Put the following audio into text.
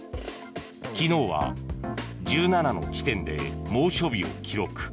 昨日は１７の地点で猛暑日を記録。